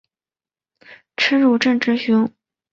车汝震之兄。